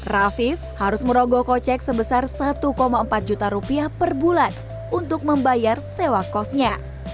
rafif harus merogoh kocek sebesar satu empat juta rupiah per bulan untuk membayar sewa kosnya